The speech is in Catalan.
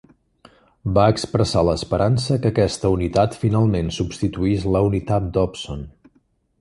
Va expressar l'esperança que aquesta unitat finalment substituís la Unitat Dobson.